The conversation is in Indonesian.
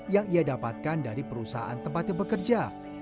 yang ia dapatkan dari perusahaan tempatnya bekerja